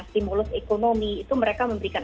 stimulus ekonomi itu mereka memberikan